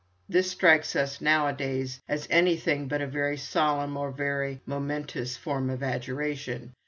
This strikes us now a days as anything but a very solemn or a very momentous form of adjuration.